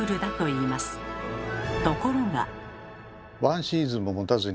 ところが。